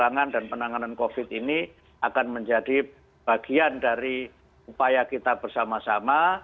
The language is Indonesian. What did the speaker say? penanganan dan penanganan covid ini akan menjadi bagian dari upaya kita bersama sama